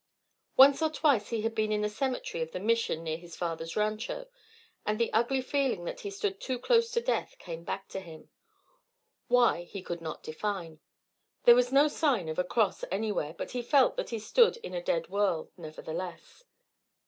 Once or twice he had been in the cemetery of the Mission near his father's rancho, and the ugly feeling that he stood too close to death came back to him; why, he could not define. There was no sign of a cross anywhere; but he felt that he stood in a dead world, nevertheless.